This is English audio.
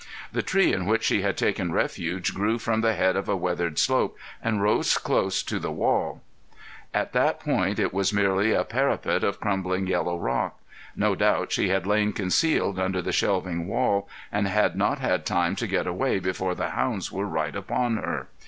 The tree in which she had taken refuge grew from the head of a weathered slope and rose close to the wall. At that point it was merely a parapet of crumbling yellow rock. No doubt she had lain concealed under the shelving wall and had not had time to get away before the hounds were right upon her.